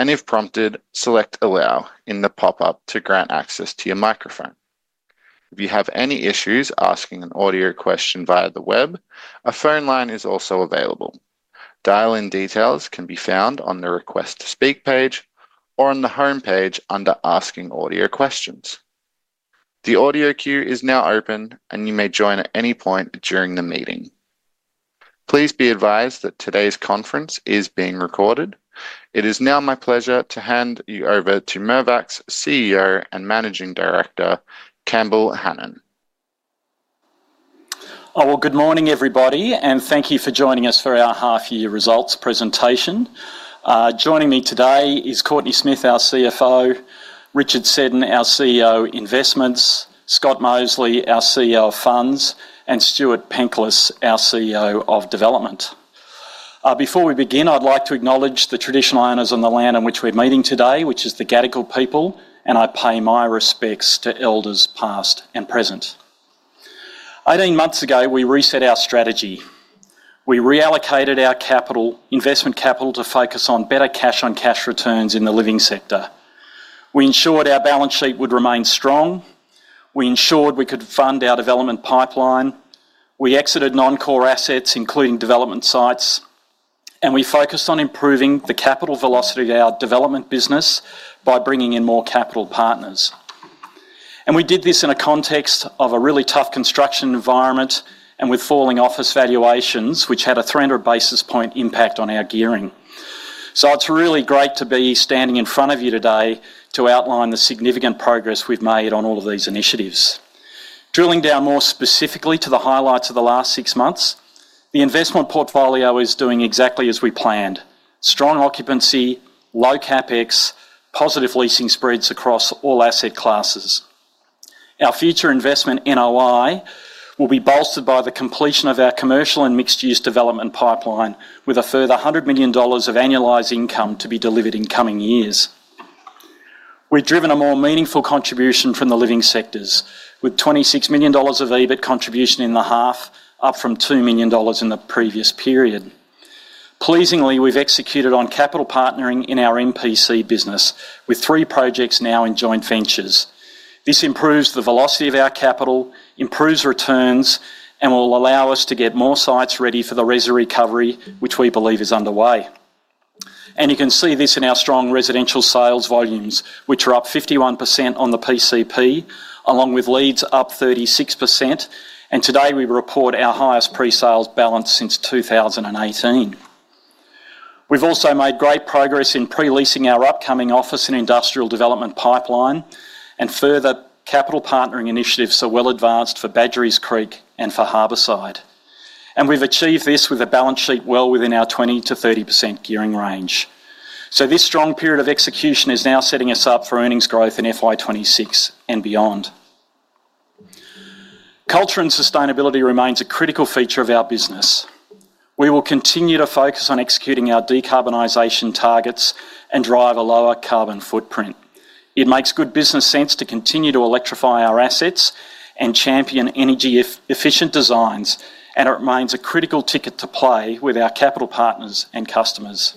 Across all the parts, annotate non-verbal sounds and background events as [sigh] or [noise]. If prompted, select Allow in the pop-up to grant access to your microphone. If you have any issues asking an audio question via the web, a phone line is also available. Dial-in details can be found on the Request to Speak page or on the homepage under Asking Audio Questions. The audio queue is now open, and you may join at any point during the meeting. Please be advised that today's conference is being recorded. It is now my pleasure to hand you over to Mirvac's CEO and Managing Director, Campbell Hanan. Oh, well, good morning, everybody, and thank you for joining us for our Half-year Results Presentation. Joining me today is Courtenay Smith, our CFO, Richard Seddon, our CEO, Investments, Scott Mosely, our CEO, Funds, and Stuart Penklis, our CEO, Development. Before we begin, I'd like to acknowledge the traditional owners of the land on which we're meeting today, which is the Gadigal people, and I pay my respects to elders past and present. Eighteen months ago, we reset our strategy. We reallocated our investment capital to focus on better cash-on-cash returns in the living sector. We ensured our balance sheet would remain strong. We ensured we could fund our development pipeline. We exited non-core assets, including development sites, and we focused on improving the capital velocity of our development business by bringing in more capital partners. And we did this in a context of a really tough construction environment and with falling office valuations, which had a 300 basis point impact on our gearing. So it's really great to be standing in front of you today to outline the significant progress we've made on all of these initiatives. Drilling down more specifically to the highlights of the last six months, the investment portfolio is doing exactly as we planned: strong occupancy, low CapEx, positive leasing spreads across all asset classes. Our future investment NOI will be bolstered by the completion of our commercial and mixed-use development pipeline, with a further 100 million dollars of annualized income to be delivered in coming years. We've driven a more meaningful contribution from the living sectors, with 26 million dollars of EBIT contribution in the half, up from 2 million dollars in the previous period. Pleasingly, we've executed on capital partnering in our MPC business, with three projects now in joint ventures. This improves the velocity of our capital, improves returns, and will allow us to get more sites ready for the reserve recovery, which we believe is underway, and you can see this in our strong residential sales volumes, which are up 51% on the PCP, along with leads up 36%, and today, we report our highest pre-sales balance since 2018. We've also made great progress in pre-leasing our upcoming office and industrial development pipeline, and further capital partnering initiatives are well advanced for Badgerys Creek and for Harbourside, and we've achieved this with a balance sheet well within our 20%-30% gearing range, so this strong period of execution is now setting us up for earnings growth in FY2026 and beyond. Culture and sustainability remains a critical feature of our business. We will continue to focus on executing our decarbonization targets and drive a lower carbon footprint. It makes good business sense to continue to electrify our assets and champion energy-efficient designs, and it remains a critical ticket to play with our capital partners and customers.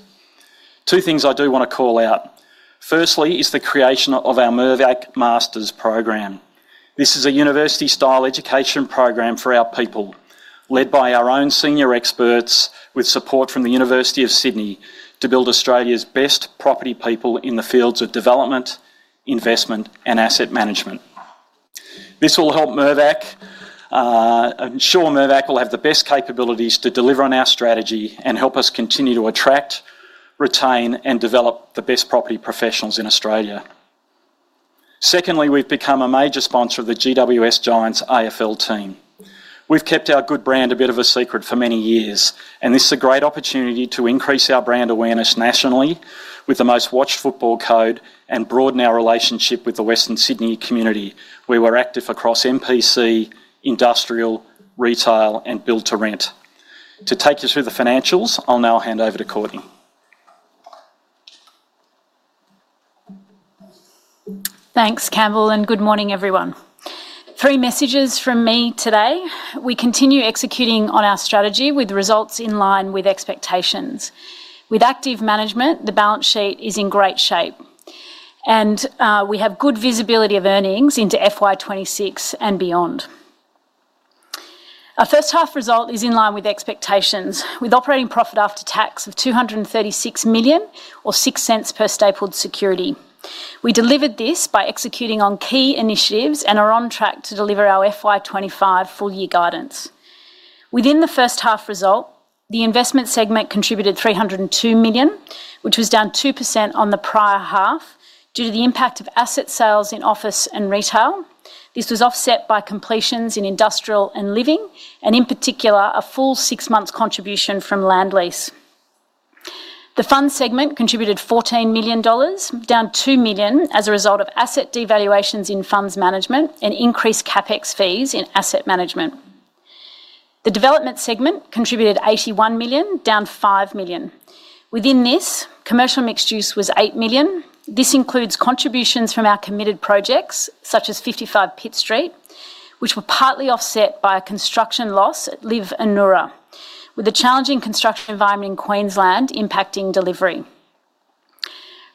Two things I do want to call out. Firstly is the creation of our Mirvac Masters program. This is a university-style education program for our people, led by our own senior experts with support from the University of Sydney to build Australia's best property people in the fields of development, investment, and asset management. This will help Mirvac ensure Mirvac will have the best capabilities to deliver on our strategy and help us continue to attract, retain, and develop the best property professionals in Australia. Secondly, we've become a major sponsor of the GWS Giants AFL team. We've kept our good brand a bit of a secret for many years, and this is a great opportunity to increase our brand awareness nationally with the most watched football code and broaden our relationship with the Western Sydney community, where we're active across MPC, industrial, retail, and build-to-rent. To take you through the financials, I'll now hand over to Courtenay. Thanks, Campbell, and good morning, everyone. Three messages from me today. We continue executing on our strategy with results in line with expectations. With active management, the balance sheet is in great shape, and we have good visibility of earnings into FY2026 and beyond. Our first-half result is in line with expectations, with operating profit after tax of 236 million, or 0.06 per stapled security. We delivered this by executing on key initiatives and are on track to deliver our FY 2025 full-year guidance. Within the first-half result, the investment segment contributed 302 million, which was down 2% on the prior half due to the impact of asset sales in office and retail. This was offset by completions in industrial and living, and in particular, a full six-month contribution from Lendlease. The funds segment contributed 14 million dollars, down 2 million, as a result of asset devaluations in funds management and increased CapEx fees in asset management. The development segment contributed 81 million, down 5 million. Within this, commercial mixed-use was 8 million. This includes contributions from our committed projects, such as 55 Pitt Street, which were partly offset by a construction loss at LIV Anura, with the challenging construction environment in Queensland impacting delivery.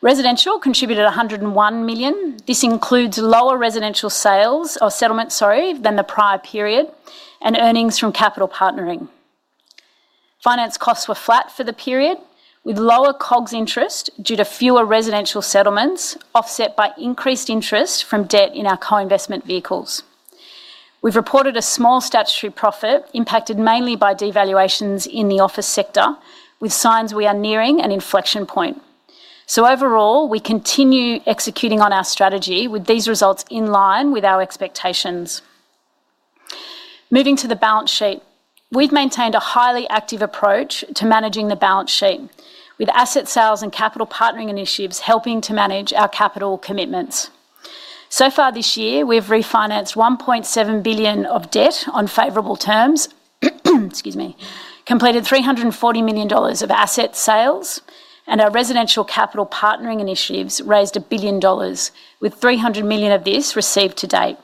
Residential contributed 101 million. This includes lower residential sales or settlement, sorry, than the prior period and earnings from capital partnering. Finance costs were flat for the period, with lower COGS interest due to fewer residential settlements, offset by increased interest from debt in our co-investment vehicles. We've reported a small statutory profit impacted mainly by devaluations in the office sector, with signs we are nearing an inflection point. So overall, we continue executing on our strategy with these results in line with our expectations. Moving to the balance sheet, we've maintained a highly active approach to managing the balance sheet, with asset sales and capital partnering initiatives helping to manage our capital commitments. So far this year, we've refinanced 1.7 billion of debt on favorable terms, excuse me, completed 340 million dollars of asset sales, and our residential capital partnering initiatives raised 1 billion dollars, with 300 million of this received to date.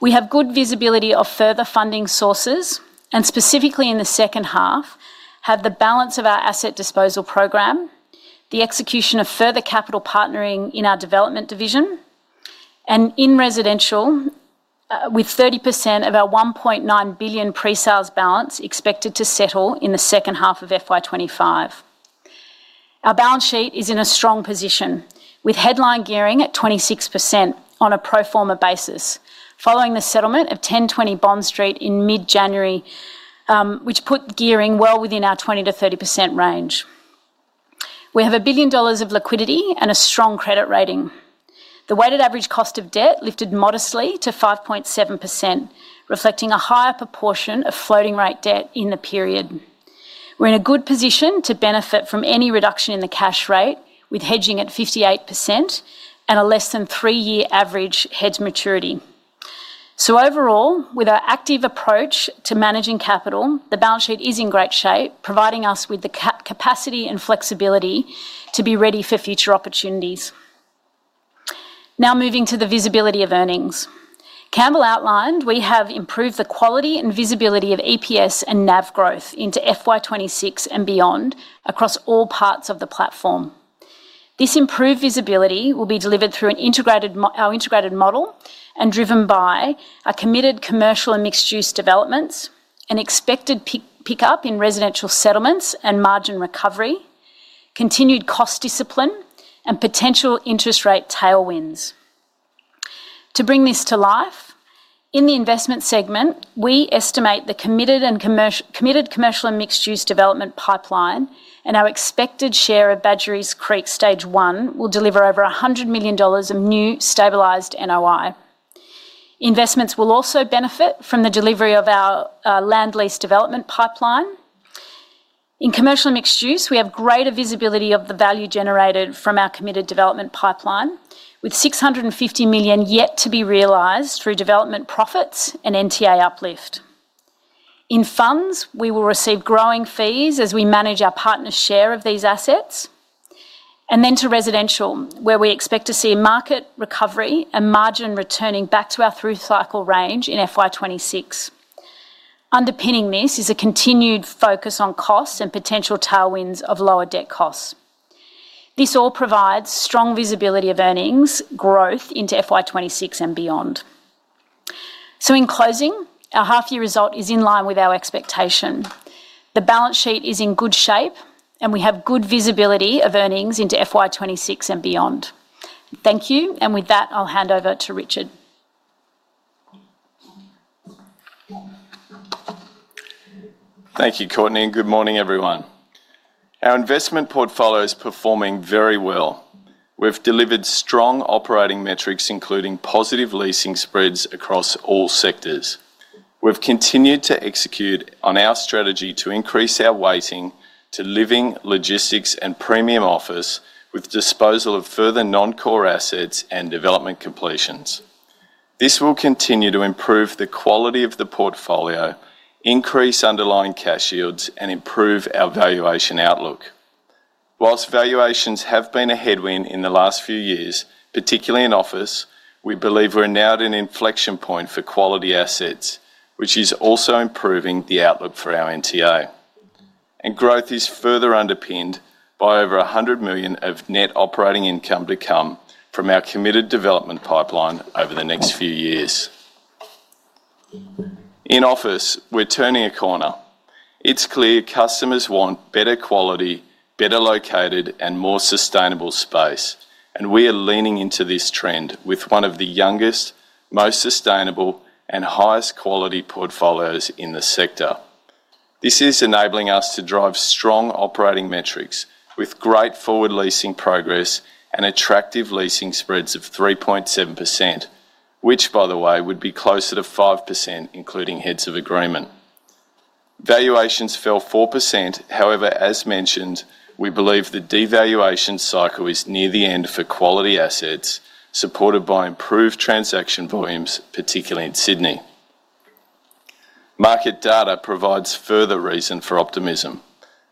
We have good visibility of further funding sources, and specifically in the second half, have the balance of our asset disposal program, the execution of further capital partnering in our development division, and in residential, with 30% of our 1.9 billion pre-sales balance expected to settle in the second half of FY25. Our balance sheet is in a strong position, with headline gearing at 26% on a pro forma basis, following the settlement of 10-20 Bond Street in mid-January, which put gearing well within our 20%-30% range. We have 1 billion dollars of liquidity and a strong credit rating. The weighted average cost of debt lifted modestly to 5.7%, reflecting a higher proportion of floating-rate debt in the period. We're in a good position to benefit from any reduction in the cash rate, with hedging at 58% and a less-than-three-year average hedge maturity. So overall, with our active approach to managing capital, the balance sheet is in great shape, providing us with the capacity and flexibility to be ready for future opportunities. Now moving to the visibility of earnings. Campbell outlined we have improved the quality and visibility of EPS and NAV growth into FY2026 and beyond across all parts of the platform. This improved visibility will be delivered through our integrated model and driven by our committed commercial and mixed-use developments, an expected pickup in residential settlements and margin recovery, continued cost discipline, and potential interest rate tailwinds. To bring this to life, in the investment segment, we estimate the committed commercial and mixed-use development pipeline and our expected share of Badgerys Creek Stage One will deliver over 100 million dollars of new stabilized NOI. Investments will also benefit from the delivery of our land lease development pipeline. In commercial mixed-use, we have greater visibility of the value generated from our committed development pipeline, with 650 million yet to be realized through development profits and NTA uplift. In funds, we will receive growing fees as we manage our partner share of these assets. And then to residential, where we expect to see market recovery and margin returning back to our through cycle range in FY2026. Underpinning this is a continued focus on costs and potential tailwinds of lower debt costs. This all provides strong visibility of earnings growth into FY2026 and beyond. So in closing, our half-year result is in line with our expectation. The balance sheet is in good shape, and we have good visibility of earnings into FY2026 and beyond. Thank you, and with that, I'll hand over to Richard. Thank you, Courtenay. Good morning, everyone. Our investment portfolio is performing very well. We've delivered strong operating metrics, including positive leasing spreads across all sectors. We've continued to execute on our strategy to increase our weighting to living, logistics, and premium office, with disposal of further non-core assets and development completions. This will continue to improve the quality of the portfolio, increase underlying cash yields, and improve our valuation outlook. Whilst valuations have been a headwind in the last few years, particularly in office, we believe we're now at an inflection point for quality assets, which is also improving the outlook for our NTA. And growth is further underpinned by over 100 million of net operating income to come from our committed development pipeline over the next few years. In office, we're turning a corner. It's clear customers want better quality, better located, and more sustainable space, and we are leaning into this trend with one of the youngest, most sustainable, and highest quality portfolios in the sector. This is enabling us to drive strong operating metrics with great forward leasing progress and attractive leasing spreads of 3.7%, which, by the way, would be closer to 5%, including heads of agreement. Valuations fell 4%. However, as mentioned, we believe the devaluation cycle is near the end for quality assets, supported by improved transaction volumes, particularly in Sydney. Market data provides further reason for optimism.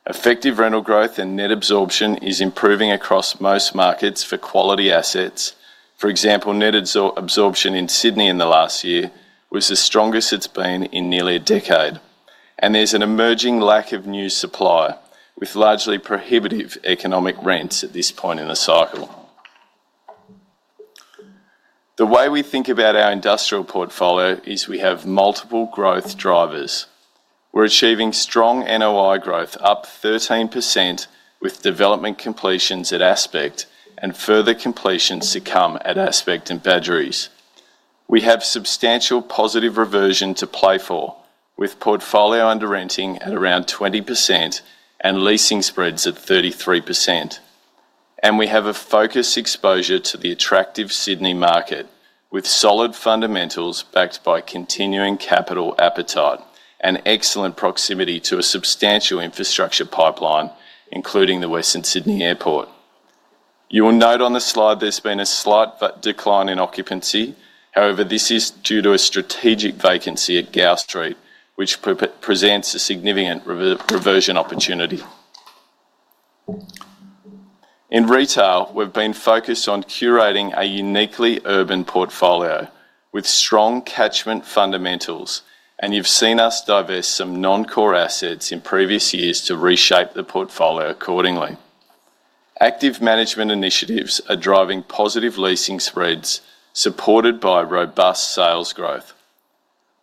Effective rental growth and net absorption is improving across most markets for quality assets. For example, net absorption in Sydney in the last year was the strongest it's been in nearly a decade. There's an emerging lack of new supply, with largely prohibitive economic rents at this point in the cycle. The way we think about our industrial portfolio is we have multiple growth drivers. We're achieving strong NOI growth, up 13%, with development completions at Aspect and further completions to come at Aspect and Badgerys. We have substantial positive reversion to play for, with portfolio under renting at around 20% and leasing spreads at 33%. We have a focused exposure to the attractive Sydney market, with solid fundamentals backed by continuing capital appetite and excellent proximity to a substantial infrastructure pipeline, including the Western Sydney Airport. You will note on the slide there's been a slight decline in occupancy. However, this is due to a strategic vacancy at Gaff Street, which presents a significant reversion opportunity. In retail, we've been focused on curating a uniquely urban portfolio with strong catchment fundamentals, and you've seen us divest some non-core assets in previous years to reshape the portfolio accordingly. Active management initiatives are driving positive leasing spreads supported by robust sales growth.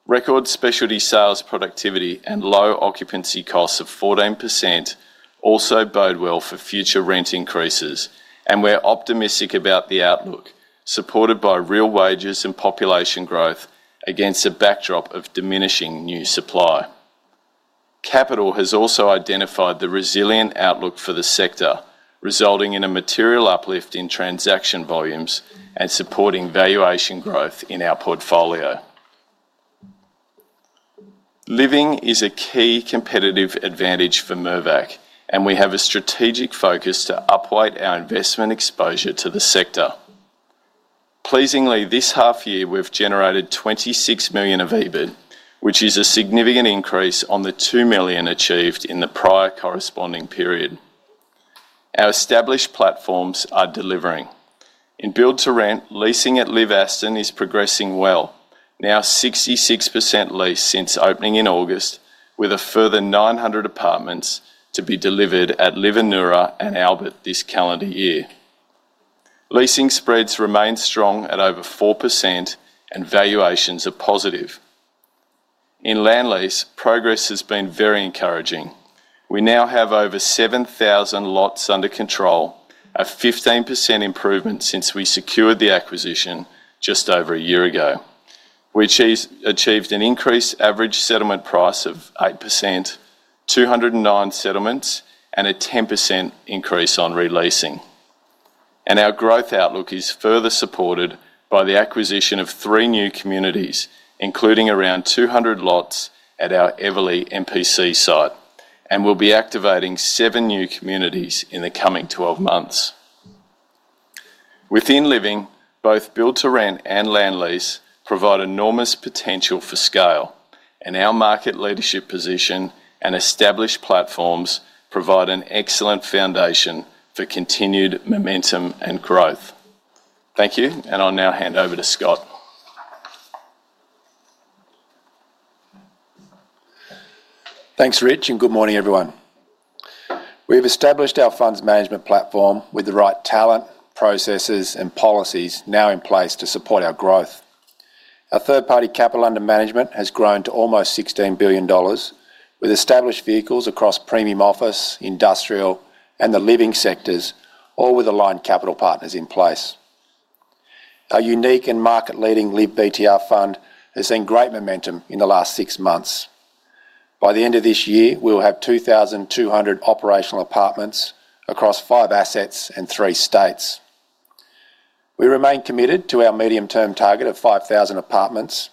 Record specialty sales productivity and low occupancy costs of 14% also bode well for future rent increases, and we're optimistic about the outlook, supported by real wages and population growth against a backdrop of diminishing new supply. Capital has also identified the resilient outlook for the sector, resulting in a material uplift in transaction volumes and supporting valuation growth in our portfolio. Living is a key competitive advantage for Mirvac, and we have a strategic focus to upweight our investment exposure to the sector. Pleasingly, this half year, we've generated 26 million of EBIT, which is a significant increase on the 2 million achieved in the prior corresponding period. Our established platforms are delivering. In build-to-rent, leasing at LIV Aston is progressing well, now 66% lease since opening in August, with a further 900 apartments to be delivered at LIV Anura and Albert this calendar year. Leasing spreads remain strong at over 4%, and valuations are positive. In land lease, progress has been very encouraging. We now have over 7,000 lots under control, a 15% improvement since we secured the acquisition just over a year ago, which achieved an increased average settlement price of 8%, 209 settlements, and a 10% increase on releasing. And our growth outlook is further supported by the acquisition of three new communities, including around 200 lots at our Everleigh MPC site, and we'll be activating seven new communities in the coming 12 months. Within living, both build-to-rent and land lease provide enormous potential for scale, and our market leadership position and established platforms provide an excellent foundation for continued momentum and growth. Thank you, and I'll now hand over to Scott. Thanks, Rich, and good morning, everyone. We've established our funds management platform with the right talent, processes, and policies now in place to support our growth. Our third-party capital under management has grown to almost 16 billion dollars, with established vehicles across premium office, industrial, and the living sectors, all with aligned capital partners in place. Our unique and market-leading LIV BTR Fund has seen great momentum in the last six months. By the end of this year, we'll have 2,200 operational apartments across five assets and three states. We remain committed to our medium-term target of 5,000 apartments,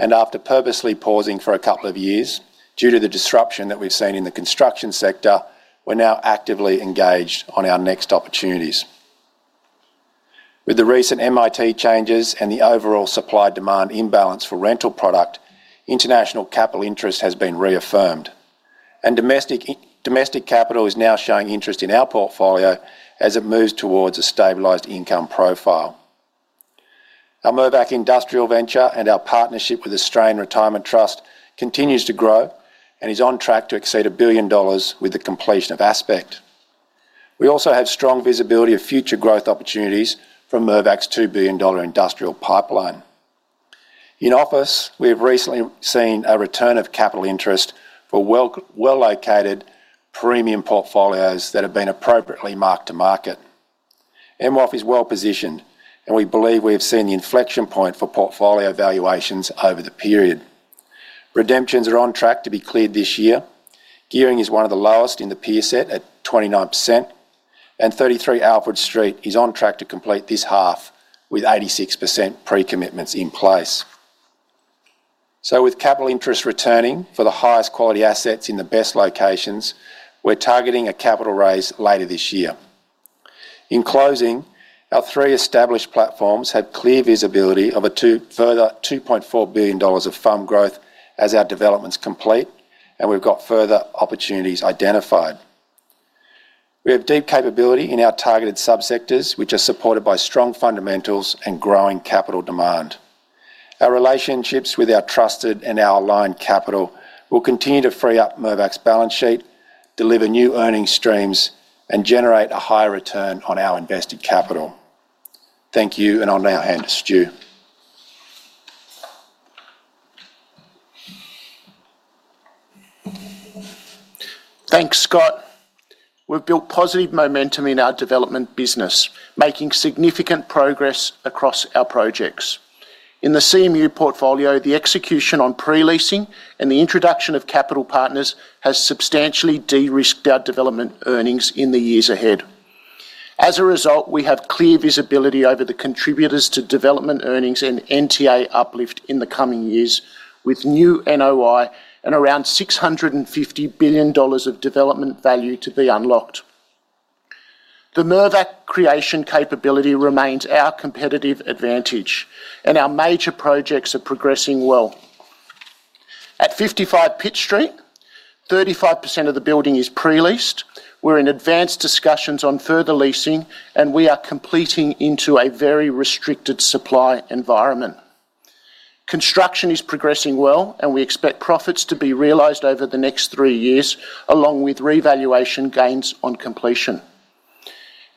and after purposely pausing for a couple of years due to the disruption that we've seen in the construction sector, we're now actively engaged on our next opportunities. With the recent MIT changes and the overall supply-demand imbalance for rental product, international capital interest has been reaffirmed, and domestic capital is now showing interest in our portfolio as it moves towards a stabilized income profile. Our Mirvac industrial venture and our partnership with Australian Retirement Trust continues to grow and is on track to exceed 1 billion dollars with the completion of Aspect. We also have strong visibility of future growth opportunities from Mirvac's 2 billion dollar industrial pipeline. In office, we have recently seen a return of capital interest for well-located premium portfolios that have been appropriately marked to market. MWOF is well positioned, and we believe we have seen the inflection point for portfolio valuations over the period. Redemptions are on track to be cleared this year. Gearing is one of the lowest in the peer set at 29%, and 33 Alfred Street is on track to complete this half with 86% pre-commitments in place, so with capital interest returning for the highest quality assets in the best locations, we're targeting a capital raise later this year. In closing, our three established platforms have clear visibility of a further 2.4 billion dollars of fund growth as our developments complete, and we've got further opportunities identified. We have deep capability in our targeted subsectors, which are supported by strong fundamentals and growing capital demand. Our relationships with our trusted and our aligned capital will continue to free up Mirvac's balance sheet, deliver new earnings streams, and generate a higher return on our invested capital. Thank you, and over to you, Stu. Thanks, Scott. We've built positive momentum in our development business, making significant progress across our projects. In the CMU portfolio, the execution on pre-leasing and the introduction of capital partners has substantially de-risked our development earnings in the years ahead. As a result, we have clear visibility over the contributors to development earnings and NTA uplift in the coming years, with new NOI and around 650 billion dollars of development value to be unlocked. The Mirvac creation capability remains our competitive advantage, and our major projects are progressing well. At 55 Pitt Street, 35% of the building is pre-leased. We're in advanced discussions on further leasing, and we are competing in a very restricted supply environment. Construction is progressing well, and we expect profits to be realized over the next three years, along with revaluation gains on completion.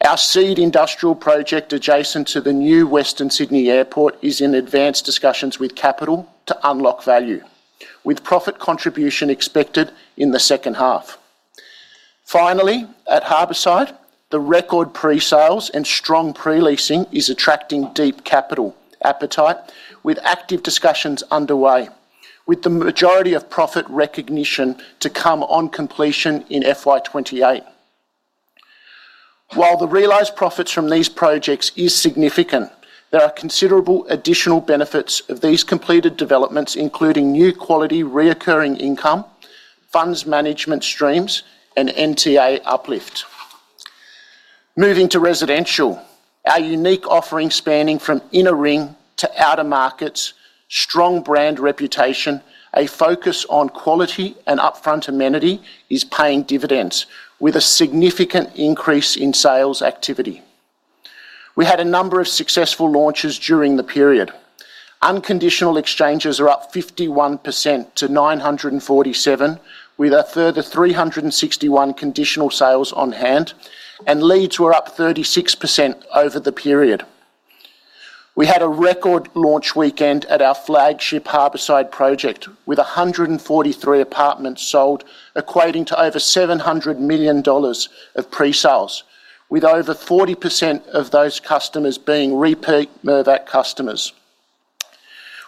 Our seed industrial project adjacent to the new Western Sydney Airport is in advanced discussions with capital to unlock value, with profit contribution expected in the second half. Finally, at Harbourside, the record pre-sales and strong pre-leasing is attracting deep capital appetite, with active discussions underway, with the majority of profit recognition to come on completion in FY28. While the realised profits from these projects is significant, there are considerable additional benefits of these completed developments, including new quality recurring income, funds management streams, and NTA uplift. Moving to residential, our unique offering spanning from inner ring to outer markets, strong brand reputation, a focus on quality and upfront amenity is paying dividends, with a significant increase in sales activity. We had a number of successful launches during the period. Unconditional exchanges are up 51% to 947, with a further 361 conditional sales on hand, and leads were up 36% over the period. We had a record launch weekend at our flagship Harbourside project, with 143 apartments sold, equating to over 700 million dollars of pre-sales, with over 40% of those customers being repeat Mirvac customers.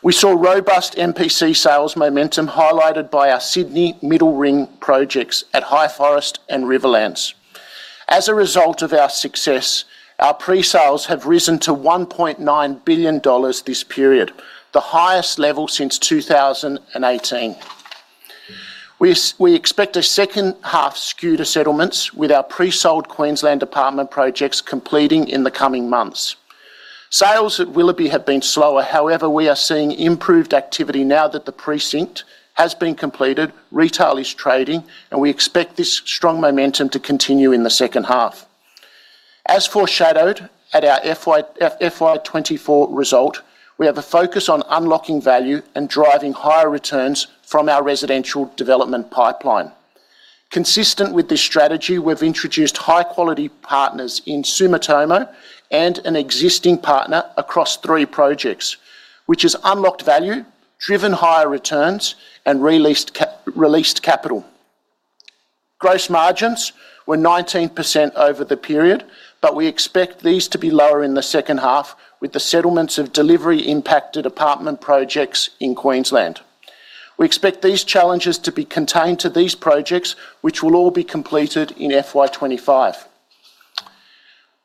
We saw robust MPC sales momentum highlighted by our Sydney middle ring projects at Highforest and Riverlands. As a result of our success, our pre-sales have risen to 1.9 billion dollars this period, the highest level since 2018. We expect a second half skew to settlements, with our pre-sold Queensland apartment projects completing in the coming months. Sales at Willoughby have been slower. However, we are seeing improved activity now that the precinct has been completed, retail is trading, and we expect this strong momentum to continue in the second half. As foreshadowed at our FY24 result, we have a focus on unlocking value and driving higher returns from our residential development pipeline. Consistent with this strategy, we've introduced high-quality partners in Sumitomo and an existing partner across three projects, which has unlocked value, driven higher returns, and released capital. Gross margins were 19% over the period, but we expect these to be lower in the second half, with the settlements of delivery-impacted apartment projects in Queensland. We expect these challenges to be contained to these projects, which will all be completed in FY25.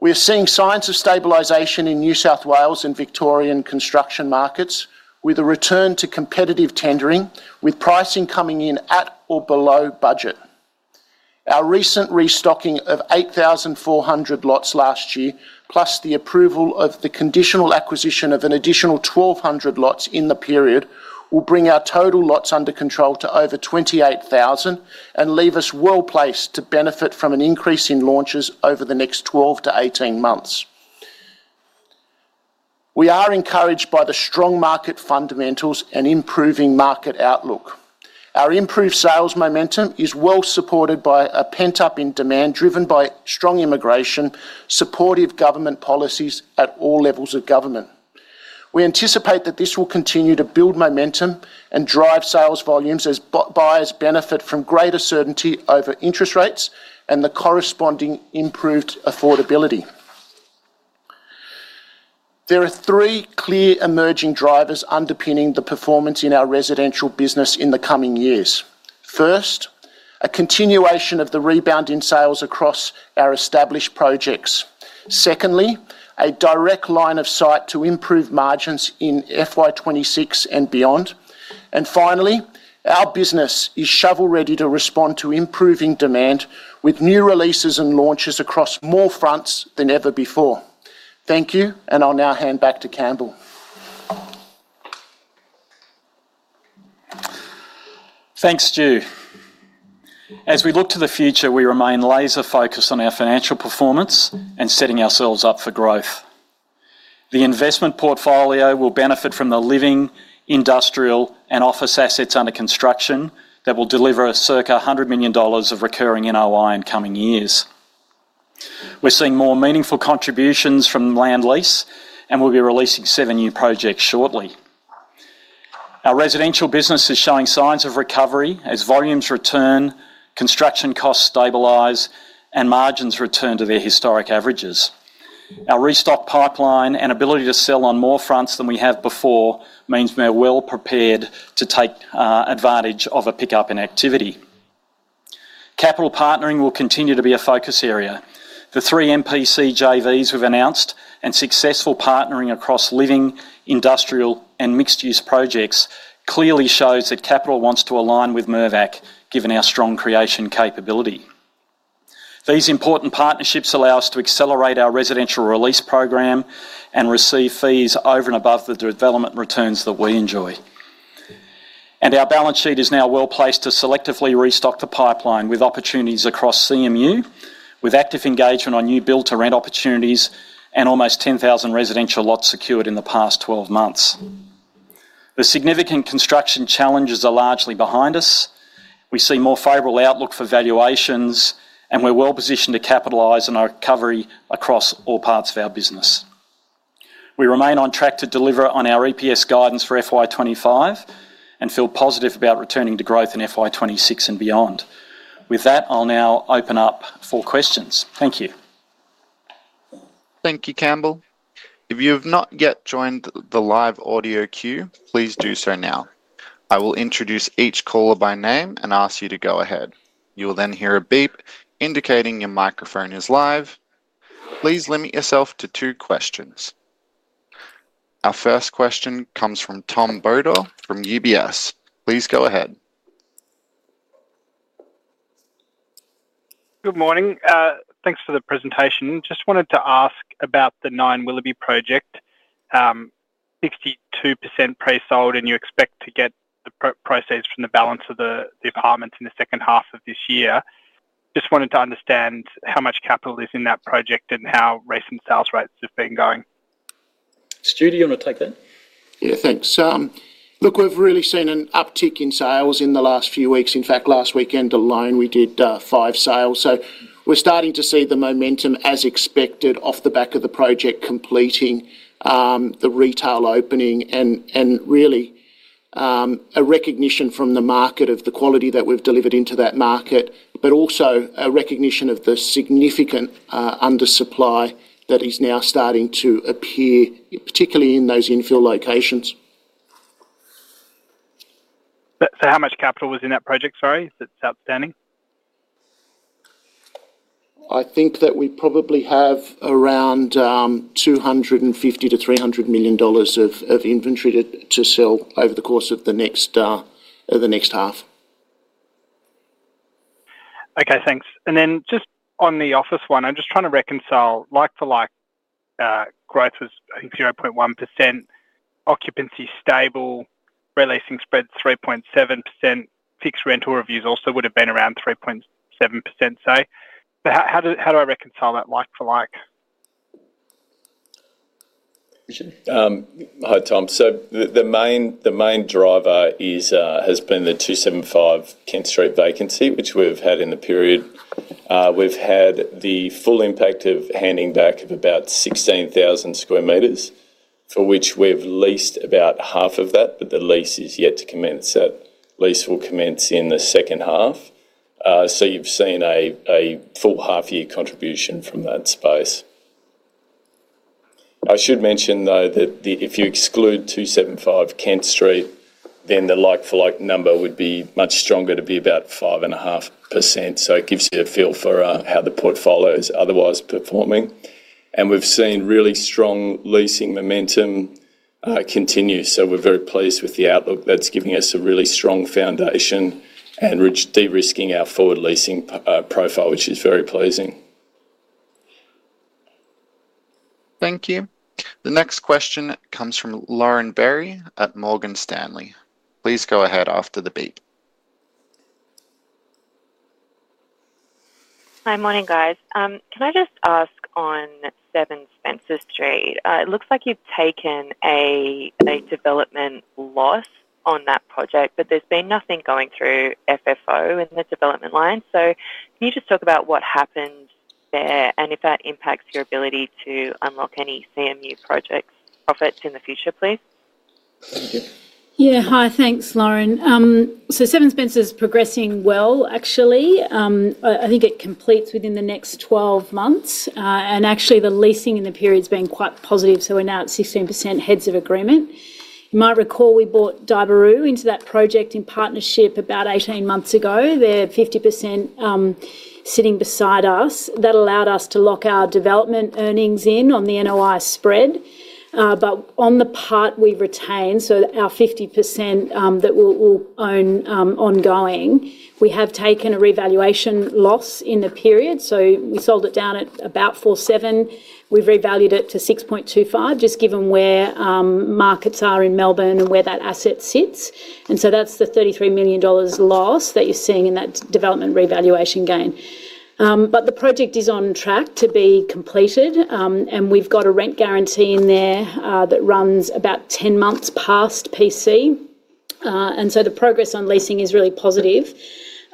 We're seeing signs of stabilization in New South Wales and Victorian construction markets, with a return to competitive tendering, with pricing coming in at or below budget. Our recent restocking of 8,400 lots last year, plus the approval of the conditional acquisition of an additional 1,200 lots in the period, will bring our total lots under control to over 28,000 and leave us well placed to benefit from an increase in launches over the next 12 to 18 months. We are encouraged by the strong market fundamentals and improving market outlook. Our improved sales momentum is well supported by pent-up demand driven by strong immigration, supportive government policies at all levels of government. We anticipate that this will continue to build momentum and drive sales volumes as buyers benefit from greater certainty over interest rates and the corresponding improved affordability. There are three clear emerging drivers underpinning the performance in our residential business in the coming years. First, a continuation of the rebound in sales across our established projects. Secondly, a direct line of sight to improve margins in FY2026 and beyond. And finally, our business is shovel-ready to respond to improving demand with new releases and launches across more fronts than ever before. Thank you, and I'll now hand back to Campbell. Thanks, Stu. As we look to the future, we remain laser-focused on our financial performance and setting ourselves up for growth. The investment portfolio will benefit from the living, industrial, and office assets under construction that will deliver a circa 100 million dollars of recurring NOI in coming years. We're seeing more meaningful contributions from land lease, and we'll be releasing seven new projects shortly. Our residential business is showing signs of recovery as volumes return, construction costs stabilize, and margins return to their historic averages. Our restock pipeline and ability to sell on more fronts than we have before means we're well prepared to take advantage of a pickup in activity. Capital partnering will continue to be a focus area. The three MPC JVs we've announced and successful partnering across living, industrial, and mixed-use projects clearly shows that capital wants to align with Mirvac, given our strong creation capability. These important partnerships allow us to accelerate our residential release program and receive fees over and above the development returns that we enjoy, and our balance sheet is now well placed to selectively restock the pipeline with opportunities across CMU, with active engagement on new build-to-rent opportunities and almost 10,000 residential lots secured in the past 12 months. The significant construction challenges are largely behind us. We see more favorable outlook for valuations, and we're well positioned to capitalize on our recovery across all parts of our business. We remain on track to deliver on our EPS guidance for FY25 and feel positive about returning to growth in FY2026 and beyond. With that, I'll now open up for questions. Thank you. Thank you, Campbell. If you have not yet joined the live audio queue, please do so now. I will introduce each caller by name and ask you to go ahead. You will then hear a beep indicating your microphone is live. Please limit yourself to two questions. Our first question comes from Tom Bodor from UBS. Please go ahead. Good morning. Thanks for the presentation. Just wanted to ask about the NINE Willoughby project, 62% pre-sold, and you expect to get the proceeds from the balance of the apartments in the second half of this year. Just wanted to understand how much capital is in that project and how recent sales rates have been going. Stu, do you want to take that? Yeah, thanks. Look, we've really seen an uptick in sales in the last few weeks. In fact, last weekend alone, we did five sales. So we're starting to see the momentum, as expected, off the back of the project completing, the retail opening, and really a recognition from the market of the quality that we've delivered into that market, but also a recognition of the significant undersupply that is now starting to appear, particularly in those infill locations. So how much capital was in that project, sorry? Is it outstanding? I think that we probably have around 250 to 300 million of inventory to sell over the course of the next half. Okay, thanks. And then just on the office one, I'm just trying to reconcile like-for-like growth was, I think, 0.1%, occupancy stable, releasing spread 3.7%, fixed rental reviews also would have been around 3.7%, say. How do I reconcile that like-for-like? Hi, Tom. So the main driver has been the 275 Kent Street vacancy, which we've had in the period. We've had the full impact of handing back of about 16,000 square meters, for which we've leased about half of that, but the lease is yet to commence. That lease will commence in the second half. So you've seen a full half-year contribution from that space. I should mention, though, that if you exclude 275 Kent Street, then the like-for-like number would be much stronger to be about 5.5%. So it gives you a feel for how the portfolio is otherwise performing. And we've seen really strong leasing momentum continue. So we're very pleased with the outlook that's giving us a really strong foundation and de-risking our forward leasing profile, which is very pleasing. Thank you. The next question comes from Lauren Berry at Morgan Stanley. Please go ahead after the beep. Hi, morning, guys. Can I just ask on 7 Spencer Street? It looks like you've taken a development loss on that project, but there's been nothing going through FFO in the development line. So can you just talk about what happened there and if that impacts your ability to unlock any CMU project profits in the future, please? [crosstalk] Yeah, hi, thanks, Lauren. So Seven Spencer is progressing well, actually. I think it completes within the next 12 months. And actually, the leasing in the period has been quite positive, so we're now at 16% heads of agreement. You might recall we bought Daibiru into that project in partnership about 18 months ago. They're 50% sitting beside us. That allowed us to lock our development earnings in on the NOI spread. But on the part we retain, so our 50% that we'll own ongoing, we have taken a revaluation loss in the period. So we sold it down at about 4.7. We've revalued it to 6.25, just given where markets are in Melbourne and where that asset sits. And so that's the 33 million dollars loss that you're seeing in that development revaluation gain. But the project is on track to be completed, and we've got a rent guarantee in there that runs about 10 months past PC. And so the progress on leasing is really positive,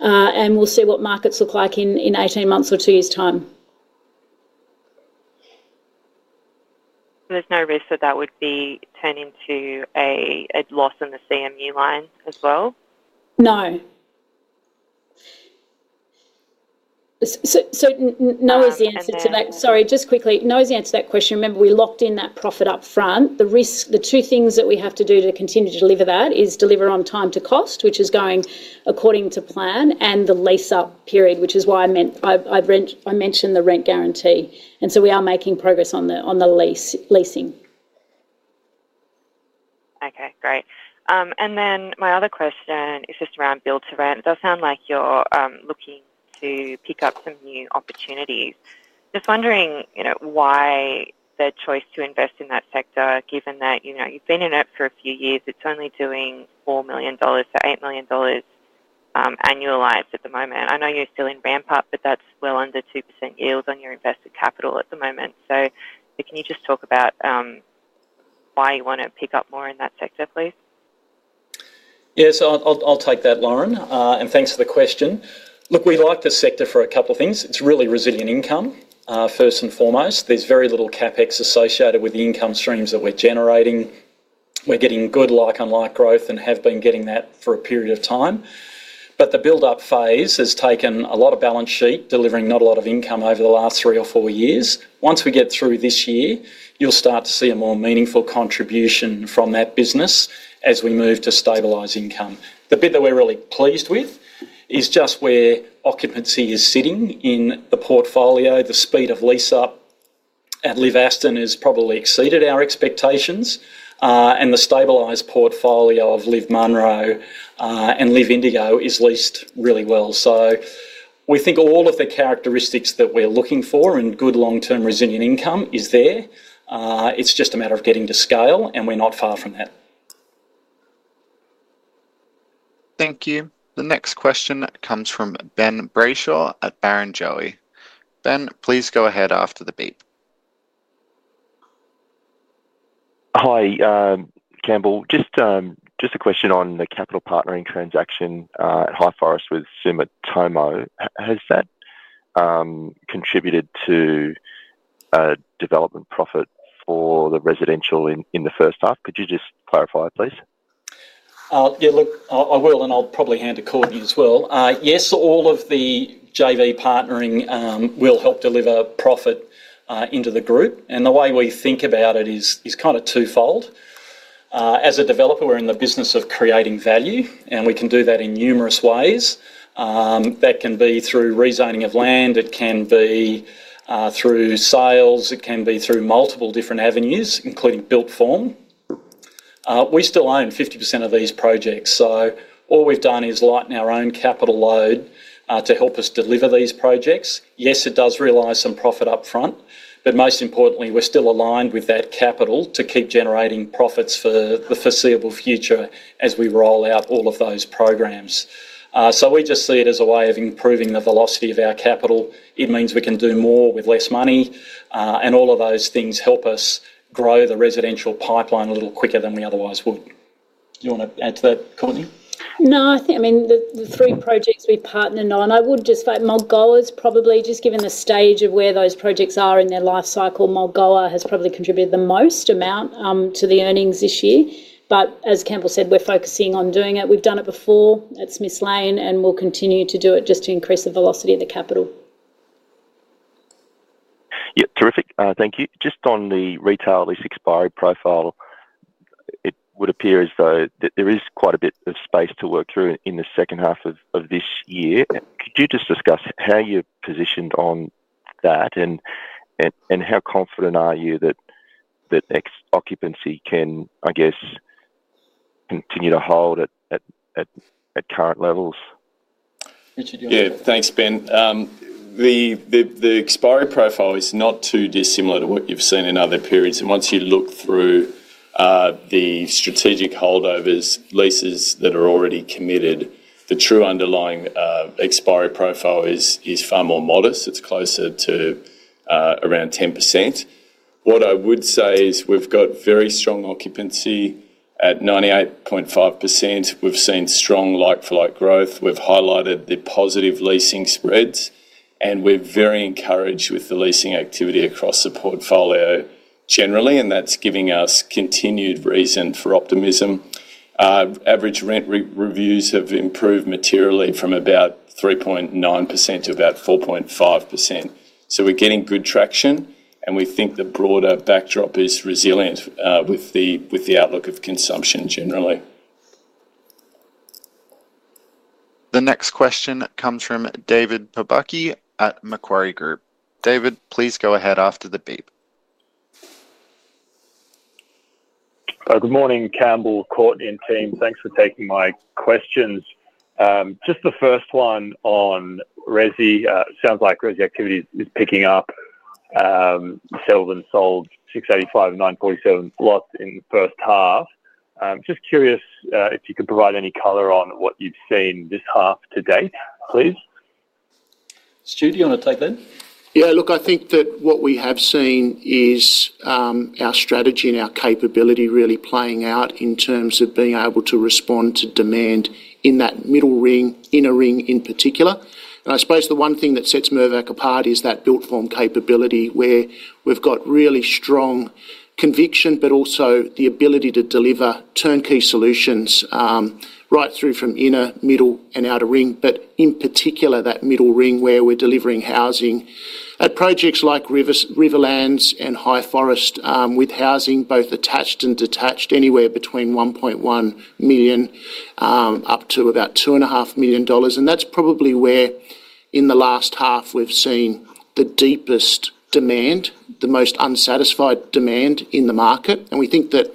and we'll see what markets look like in 18 months or two years' time. There's no risk that that would be turned into a loss in the CMU line as well? No. So no is the answer to that. Sorry, just quickly, no is the answer to that question. Remember, we locked in that profit upfront. The two things that we have to do to continue to deliver that is deliver on time to cost, which is going according to plan, and the lease-up period, which is why I mentioned the rent guarantee, and so we are making progress on the leasing. Okay, great. And then my other question is just around build-to-rent. It does sound like you're looking to pick up some new opportunities. Just wondering why the choice to invest in that sector, given that you've been in it for a few years, it's only doing $4 million-$8 million annualized at the moment. I know you're still in ramp-up, but that's well under 2% yield on your invested capital at the moment. So can you just talk about why you want to pick up more in that sector, please? Yeah, so I'll take that, Lauren, and thanks for the question. Look, we like the sector for a couple of things. It's really resilient income, first and foremost. There's very little CapEx associated with the income streams that we're generating. We're getting good like-and-like growth and have been getting that for a period of time. But the build-up phase has taken a lot of balance sheet delivering not a lot of income over the last three or four years. Once we get through this year, you'll start to see a more meaningful contribution from that business as we move to stabilize income. The bit that we're really pleased with is just where occupancy is sitting in the portfolio. The speed of lease-up at LIV Aston has probably exceeded our expectations, and the stabilized portfolio of LIV Munro and LIV Indigo is leased really well. So we think all of the characteristics that we're looking for and good long-term resilient income is there. It's just a matter of getting to scale, and we're not far from that. Thank you. The next question comes from Ben Brayshaw at Barrenjoey. Ben, please go ahead after the beep. Hi, Campbell. Just a question on the capital partnering transaction at Highforest with Sumitomo. Has that contributed to development profit for the residential in the first half? Could you just clarify, please? Yeah, look, I will, and I'll probably hand to Courtenay as well. Yes, all of the JV partnering will help deliver profit into the group, and the way we think about it is kind of twofold. As a developer, we're in the business of creating value, and we can do that in numerous ways. That can be through rezoning of land. It can be through sales. It can be through multiple different avenues, including built form. We still own 50% of these projects, so all we've done is lighten our own capital load to help us deliver these projects. Yes, it does realize some profit upfront, but most importantly, we're still aligned with that capital to keep generating profits for the foreseeable future as we roll out all of those programs, so we just see it as a way of improving the velocity of our capital. It means we can do more with less money, and all of those things help us grow the residential pipeline a little quicker than we otherwise would. Do you want to add to that, Courtenay? No, I think, I mean, the three projects we partnered on, I would just say Mirvac's probably, just given the stage of where those projects are in their life cycle, Mulgoa has probably contributed the most amount to the earnings this year. But as Campbell said, we're focusing on doing it. We've done it before at Smiths Lane, and we'll continue to do it just to increase the velocity of the capital. Yeah, terrific. Thank you. Just on the retail lease expiry profile, it would appear as though that there is quite a bit of space to work through in the second half of this year. Could you just discuss how you're positioned on that and how confident are you that occupancy can, I guess, continue to hold at current levels? [crosstalk] Yeah, thanks, Ben. The expiry profile is not too dissimilar to what you've seen in other periods, and once you look through the strategic holdovers, leases that are already committed, the true underlying expiry profile is far more modest. It's closer to around 10%. What I would say is we've got very strong occupancy at 98.5%. We've seen strong like-for-like growth. We've highlighted the positive leasing spreads, and we're very encouraged with the leasing activity across the portfolio generally, and that's giving us continued reason for optimism. Average rent reviews have improved materially from about 3.9% to about 4.5%, so we're getting good traction, and we think the broader backdrop is resilient with the outlook of consumption generally. The next question comes from David Pobucky at Macquarie Group. David, please go ahead after the beep. Good morning, Campbell, Courtenay, and team. Thanks for taking my questions. Just the first one on resi, it sounds like project activity is picking up. Seldom sold 685 and 947 lots in the first half. Just curious if you could provide any color on what you've seen this half to date, please. Stu, do you want to take that? Yeah, look, I think that what we have seen is our strategy and our capability really playing out in terms of being able to respond to demand in that middle ring, inner ring in particular. And I suppose the one thing that sets Mirvac apart is that built form capability where we've got really strong conviction, but also the ability to deliver turnkey solutions right through from inner, middle, and outer ring, but in particular that middle ring where we're delivering housing at projects like Riverlands and Highforest with housing both attached and detached anywhere between 1.1 million up to about 2.5 million dollars. And that's probably where in the last half we've seen the deepest demand, the most unsatisfied demand in the market. We think that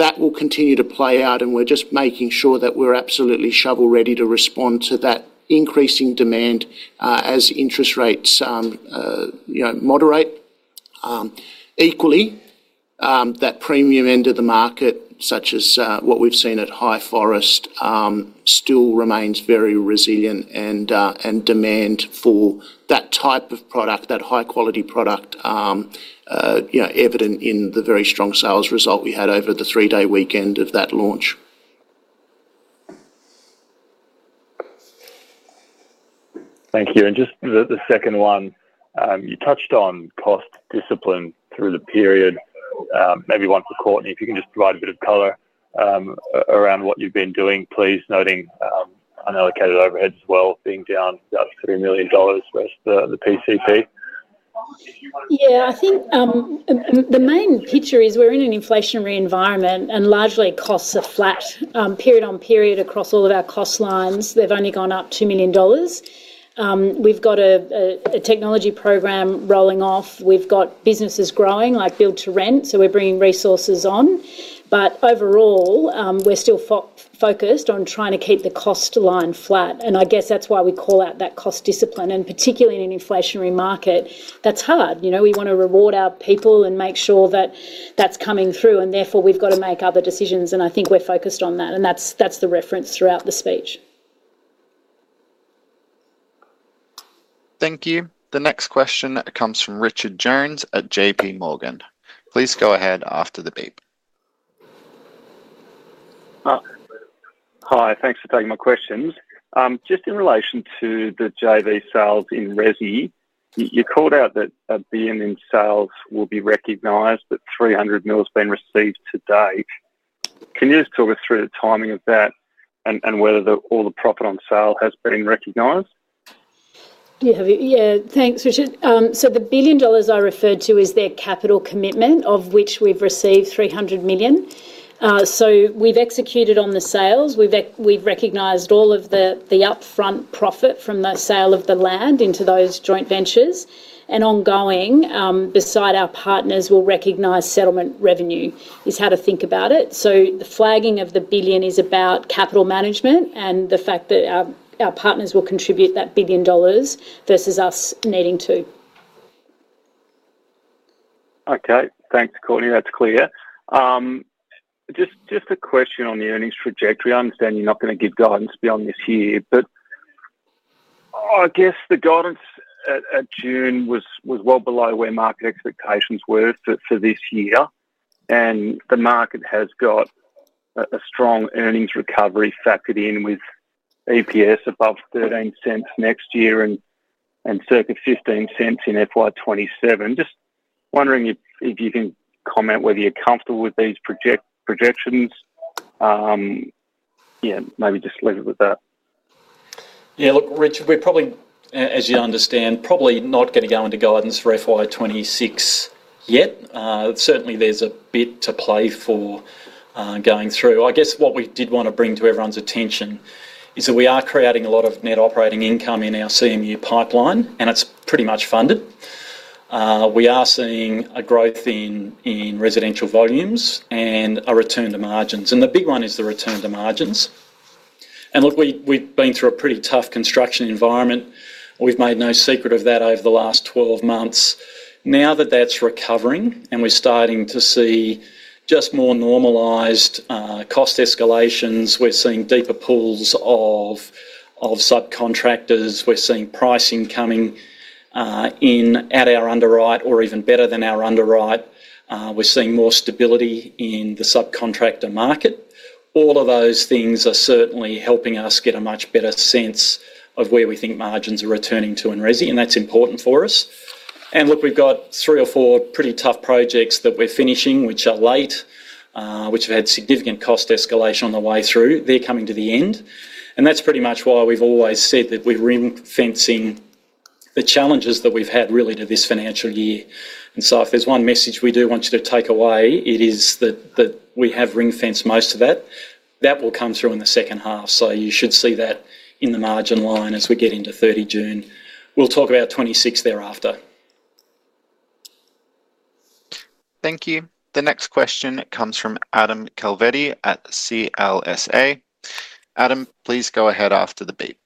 that will continue to play out, and we're just making sure that we're absolutely shovel-ready to respond to that increasing demand as interest rates moderate. Equally, that premium end of the market, such as what we've seen at Highforest, still remains very resilient and demand for that type of product, that high-quality product evident in the very strong sales result we had over the three-day weekend of that launch. Thank you. And just the second one, you touched on cost discipline through the period. Maybe once for Courtenay, if you can just provide a bit of color around what you've been doing, please, noting unallocated overhead as well being down about 3 million dollars versus the PCP. Yeah, I think the main picture is we're in an inflationary environment, and largely costs are flat. Period on period across all of our cost lines, they've only gone up two million dollars. We've got a technology program rolling off. We've got businesses growing like build-to-rent, so we're bringing resources on. But overall, we're still focused on trying to keep the cost line flat, and I guess that's why we call out that cost discipline, and particularly in an inflationary market, that's hard. We want to reward our people and make sure that, that's coming through, and therefore we've got to make other decisions, and I think we're focused on that, and that's the reference throughout the speech. Thank you. The next question comes from Richard Jones at J.P. Morgan. Please go ahead after the beep. Hi, thanks for taking my questions. Just in relation to the JV sales in resi, you called out that at the end in sales will be recognised that 300 million has been received to date. Can you just talk us through the timing of that and whether all the profit on sale has been recognised? Yeah, thanks, Richard. So the billion dollars I referred to is their capital commitment, of which we've received 300 million. So we've executed on the sales. We've recognized all of the upfront profit from the sale of the land into those joint ventures. And ongoing, beside our partners, we'll recognize settlement revenue is how to think about it. So the flagging of the billion is about capital management and the fact that our partners will contribute that billion dollars versus us needing to. Okay, thanks, Courtenay. That's clear. Just a question on the earnings trajectory. I understand you're not going to give guidance beyond this year, but I guess the guidance at June was well below where market expectations were for this year. And the market has got a strong earnings recovery factored in with EPS above 0.13 next year and circa 0.15 in FY27. Just wondering if you can comment whether you're comfortable with these projections. Yeah, maybe just leave it with that. Yeah, look, Richard, we're probably, as you understand, probably not going to go into guidance for FY2026 yet. Certainly, there's a bit to play for going through. I guess what we did want to bring to everyone's attention is that we are creating a lot of net operating income in our CMU pipeline, and it's pretty much funded. We are seeing a growth in residential volumes and a return to margins. And the big one is the return to margins. And look, we've been through a pretty tough construction environment. We've made no secret of that over the last twelve months. Now that that's recovering and we're starting to see just more normalized cost escalations, we're seeing deeper pools of subcontractors, we're seeing pricing coming in at our underwrite or even better than our underwrite. We're seeing more stability in the subcontractor market. All of those things are certainly helping us get a much better sense of where we think margins are returning to in resi, and that's important for us, and look, we've got three or four pretty tough projects that we're finishing which are late, which have had significant cost escalation on the way through. They're coming to the end, and that's pretty much why we've always said that we're ring-fencing the challenges that we've had really to this financial year, and so if there's one message we do want you to take away, it is that we have ring-fenced most of that. That will come through in the second half, so you should see that in the margin line as we get into 30 June. We'll talk about 2026 thereafter. Thank you. The next question comes from Adam Calvetti at CLSA. Adam, please go ahead after the beep.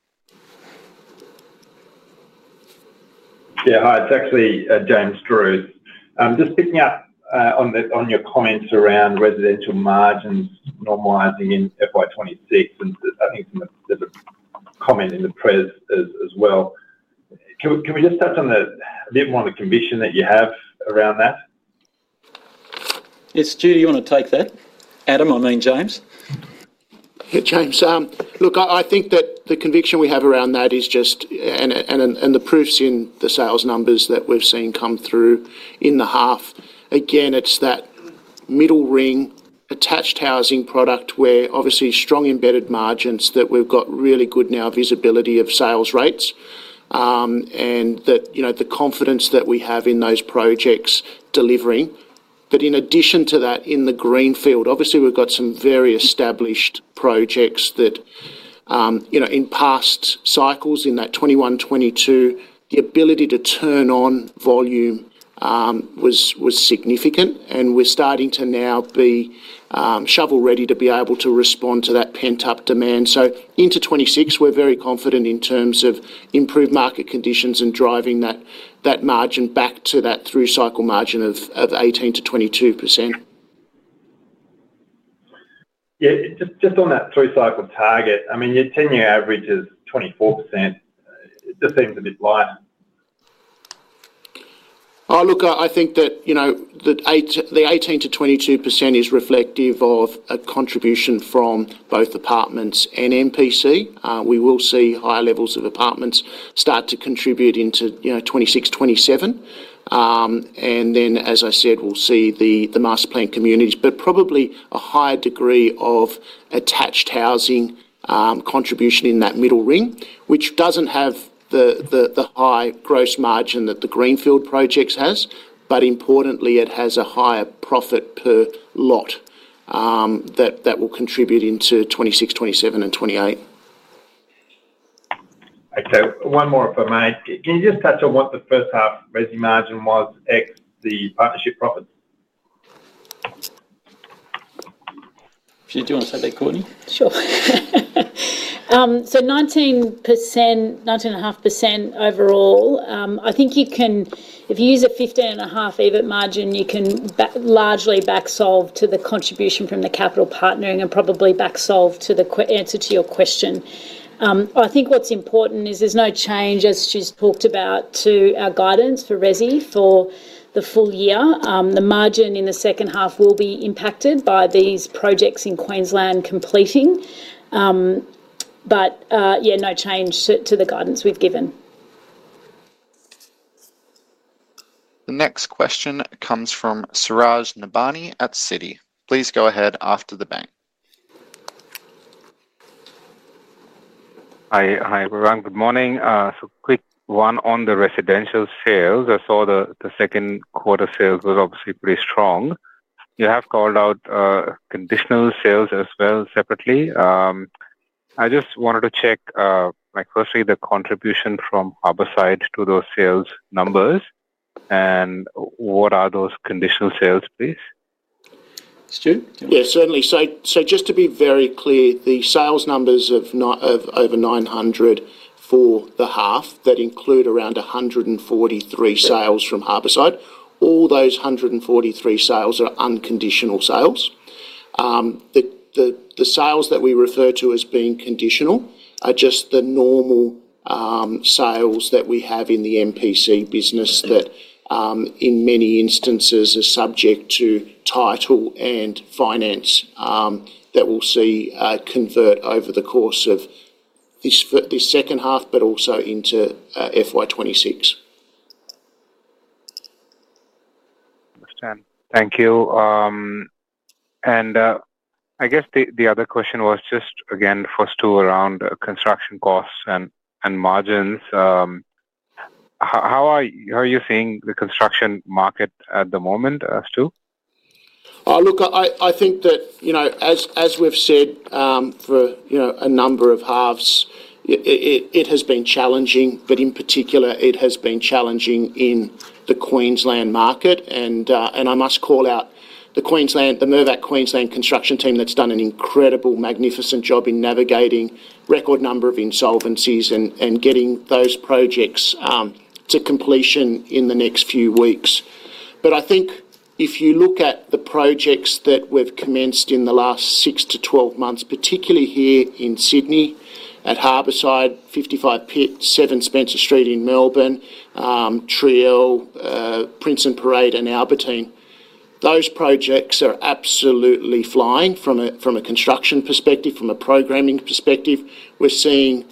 Yeah, hi. It's actually James Druce. Just picking up on your comments around residential margins normalizing in FY2026, and I think there's a comment in the press as well. Can we just touch on a bit more on the conviction that you have around that? Yes, Stu, do you want to take that? Adam, I mean James. Hey, James. Look, I think that the conviction we have around that is just, and the proof's in the sales numbers that we've seen come through in the half. Again, it's that middle ring attached housing product where obviously strong embedded margins that we've got really good now visibility of sales rates and the confidence that we have in those projects delivering. But in addition to that, in the greenfield, obviously we've got some very established projects that in past cycles in that 2021, 2022, the ability to turn on volume was significant, and we're starting to now be shovel-ready to be able to respond to that pent-up demand. So into 2026, we're very confident in terms of improved market conditions and driving that margin back to that through cycle margin of 18%-22%. Yeah, just on that through cycle target, I mean, your 10-year average is 24%. It just seems a bit light. Look, I think that the 18%-22% is reflective of a contribution from both apartments and MPC. We will see higher levels of apartments start to contribute into 2026, 2027, and then, as I said, we'll see the master plan communities, but probably a higher degree of attached housing contribution in that middle ring, which doesn't have the high gross margin that the greenfield projects has, but importantly, it has a higher profit per lot that will contribute into 2026, 2027, and 2028. Okay, one more if I may. Can you just touch on what the first half resi margin was ex the partnership profits? You do want to take that, Courtenay? Sure. The 19%, 19.5% overall. I think you can, if you use a 15.5 EBIT margin, you can largely backsolve to the contribution from the capital partnering and probably backsolve to the answer to your question. I think what's important is there's no change, as Stu's talked about, to our guidance for resi for the full year. The margin in the second half will be impacted by these projects in Queensland completing. But yeah, no change to the guidance we've given. The next question comes from Suraj Nebhani at Citi. Please go ahead after the bang. Hi, everyone. Good morning. So, quick one on the residential sales. I saw the Q2 sales were obviously pretty strong. You have called out conditional sales as well separately. I just wanted to check, firstly, the contribution from Harbourside to those sales numbers, and what are those conditional sales, please? Stu? Yeah, certainly. So just to be very clear, the sales numbers of over 900 for the half that include around 143 sales from Harbourside. All those 143 sales are unconditional sales. The sales that we refer to as being conditional are just the normal sales that we have in the MPC business that in many instances are subject to title and finance that we'll see convert over the course of this second half, but also into FY2026. Thank you, and I guess the other question was just, again, for Stu around construction costs and margins. How are you seeing the construction market at the moment, Stu? Look, I think that as we've said for a number of halves, it has been challenging, but in particular, it has been challenging in the Queensland market. And I must call out the Mirvac Queensland construction team that's done an incredible, magnificent job in navigating a record number of insolvencies and getting those projects to completion in the next few weeks. But I think if you look at the projects that we've commenced in the last six to twelve months, particularly here in Sydney at Harbourside, 55 Pitt, 7 Spencer Street in Melbourne, Trielle, Prince & Parade, and Albertine, those projects are absolutely flying from a construction perspective, from a programming perspective. We're seeing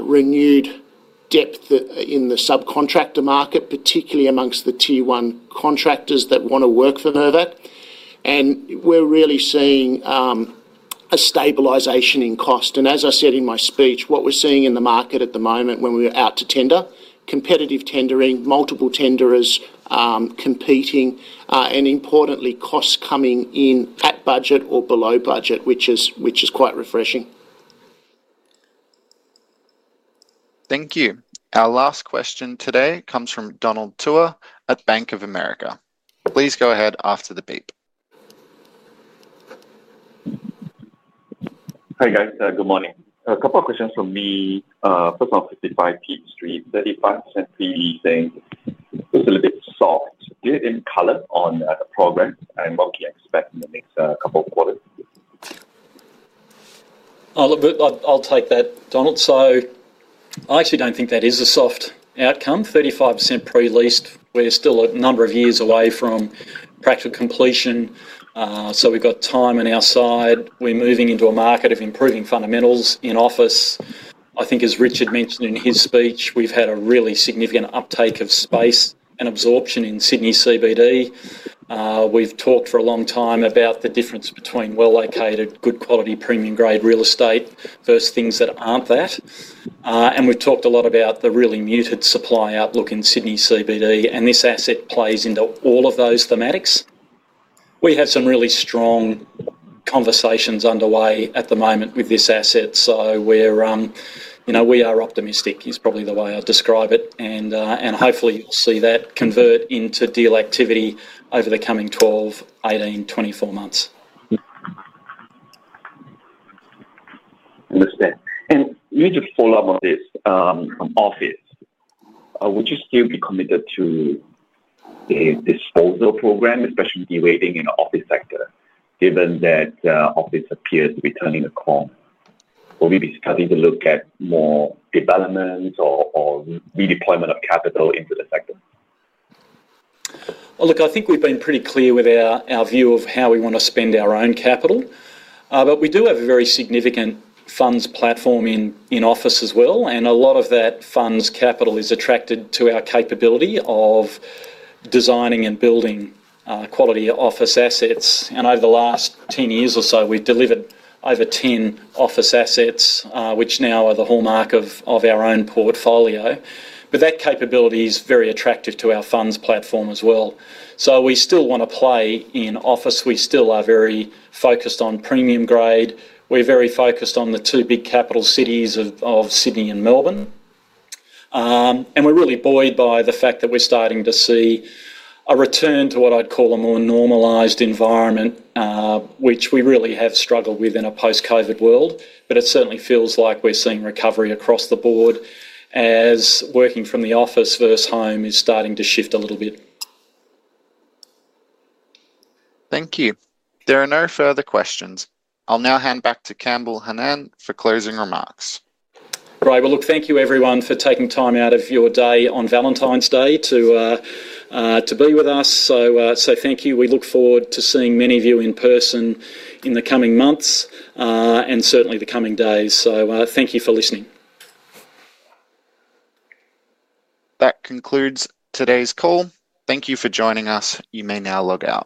renewed depth in the subcontractor market, particularly amongst the tier-one contractors that want to work for Mirvac. And we're really seeing a stabilization in cost. And as I said in my speech, what we're seeing in the market at the moment when we're out to tender, competitive tendering, multiple tenderers competing, and importantly, costs coming in at budget or below budget, which is quite refreshing. Thank you. Our last question today comes from Donald Chua at Bank of America. Please go ahead after the beep. Hey, guys. Good morning. A couple of questions for me. First off, 55 Pitt Street, 35% pre-leasing. It's a little bit soft. Do you have any color on the progress and what can you expect in the next couple of quarters? I'll take that, Donald. So I actually don't think that is a soft outcome. 35% pre-leased, we're still a number of years away from practical completion. So we've got time on our side. We're moving into a market of improving fundamentals in office. I think as Richard mentioned in his speech, we've had a really significant uptake of space and absorption in Sydney CBD. We've talked for a long time about the difference between well-located, good quality, premium-grade real estate versus things that aren't that. And we've talked a lot about the really muted supply outlook in Sydney CBD. And this asset plays into all of those thematics. We have some really strong conversations underway at the moment with this asset. So we are optimistic is probably the way I'd describe it. And hopefully, you'll see that convert into deal activity over the coming twelve, eighteen, twenty-four months. Understood, and maybe just follow up on this. Office, would you still be committed to the disposal program, especially the waiting in the office sector, given that office appears to be turning the corner? Will we be starting to look at more developments or redeployment of capital into the sector? Well, look, I think we've been pretty clear with our view of how we want to spend our own capital. But we do have a very significant funds platform in office as well. And a lot of that funds capital is attracted to our capability of designing and building quality office assets. And over the last 10 years or so, we've delivered over 10 office assets, which now are the hallmark of our own portfolio. But that capability is very attractive to our funds platform as well. So we still want to play in office. We still are very focused on premium grade. We're very focused on the two big capital cities of Sydney and Melbourne. And we're really buoyed by the fact that we're starting to see a return to what I'd call a more normalized environment, which we really have struggled with in a post-COVID world. But it certainly feels like we're seeing recovery across the board as working from the office versus home is starting to shift a little bit. Thank you. There are no further questions. I'll now hand back to Campbell Hanan for closing remarks. Right. Well, look, thank you, everyone, for taking time out of your day on Valentine's Day to be with us. So thank you. We look forward to seeing many of you in person in the coming months and certainly the coming days. So thank you for listening. That concludes today's call. Thank you for joining us. You may now log out.